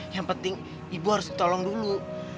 yang penting ibu harus ditolong dulu